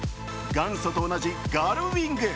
元祖と同じガルウイング。